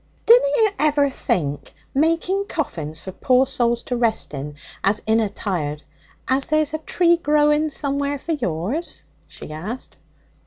'Dunna you ever think, making coffins for poor souls to rest in as inna tired, as there's a tree growing somewhere for yours?' she asked.